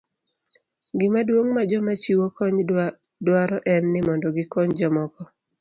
Gima duong' ma joma chiwo kony dwaro en ni mondo gikony jomoko.